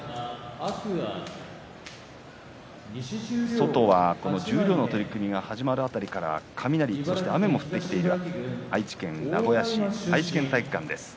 外は、十両の取組が始まる辺りから雷、そして雨も降ってきている愛知県名古屋市にある愛知県体育館です。